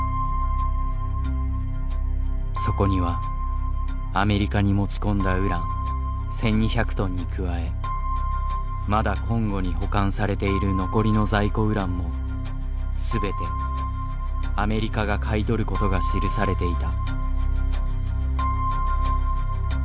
そこにはアメリカに持ち込んだウラン１，２００トンに加えまだコンゴに保管されている残りの在庫ウランも全てアメリカが買い取ることが記されていた。